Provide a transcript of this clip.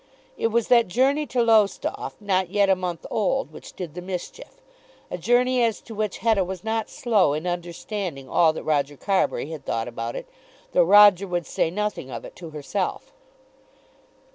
It was that journey to Lowestoft, not yet a month old, which did the mischief, a journey as to which Hetta was not slow in understanding all that Roger Carbury had thought about it, though Roger would say nothing of it to herself.